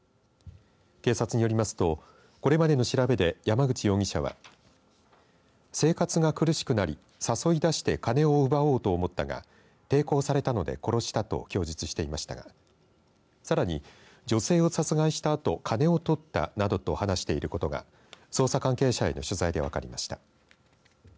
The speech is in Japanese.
警察によりますとこれまでの調べで、山口容疑者は生活が苦しくなり誘い出して金を奪おうと思ったが抵抗されたので殺したと供述していましたがさらに女性を殺害したあと金をとったなどと話していることが捜査関係者への取材で分かりました。